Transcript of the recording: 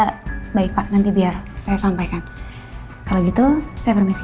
ya baik pak nanti biar saya sampaikan kalau gitu saya bermisi